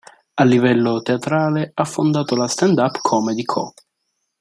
A livello teatrale, ha fondato la "Stand up comedy co.